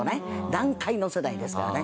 団塊の世代ですからね。